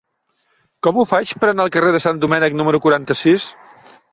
Com ho faig per anar al carrer de Sant Domènec número quaranta-sis?